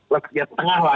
lagi ke tengah lah